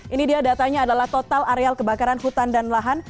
ini dia datanya adalah total areal kebakaran hutan dan lahan